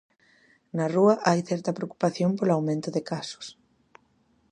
Na rúa hai certa preocupación polo aumento de casos.